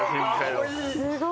すごい。